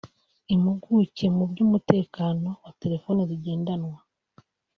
Impuguke mu by’umutekano wa telefoni zigendanwa